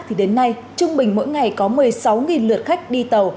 thì đến nay trung bình mỗi ngày có một mươi sáu lượt khách đi tàu